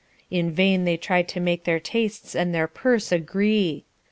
In vain they tried to make their tastes and their purse agree.